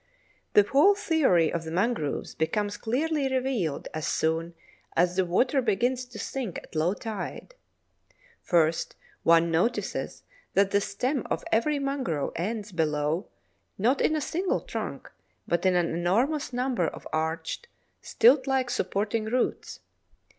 The whole theory of the mangroves becomes clearly revealed as soon as the water begins to sink at low tide. First one notices that the stem of every mangrove ends below, not in a single trunk, but in an enormous number of arched, stilt like supporting roots.